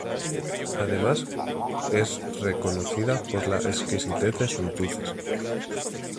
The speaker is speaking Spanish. Además, es reconocida por la exquisitez de sus dulces.